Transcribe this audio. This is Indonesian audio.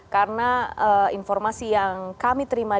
karena informasi yang kami terima di